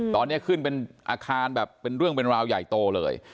ตอนนี้ขึ้นเป็นอาคารแบบเป็นเรื่องเป็นราวใหญ่โตเลย